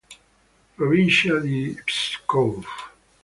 Provincia di Pskov